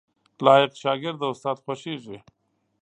لايق شاګرد د استاد خوښیږي